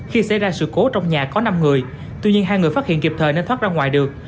khi xảy ra sự cố trong nhà có năm người tuy nhiên hai người phát hiện kịp thời nên thoát ra ngoài được